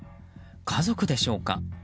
家族でしょうか。